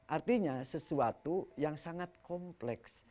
artinya sesuatu yang sangat kompleks